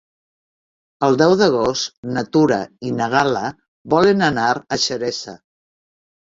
El deu d'agost na Tura i na Gal·la volen anar a Xeresa.